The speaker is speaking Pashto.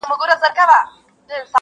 دا آخره زمانه ده په پیمان اعتبار نسته--!